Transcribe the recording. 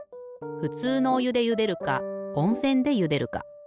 ふつうのおゆでゆでるかおんせんでゆでるか。